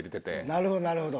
なるほどなるほど。